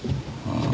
ああ。